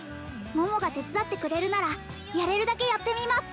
桃が手伝ってくれるならやれるだけやってみます！